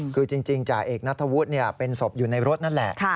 คือจริงจ่าเอกนัทธวุฒิเป็นศพอยู่ในรถนั่นแหละ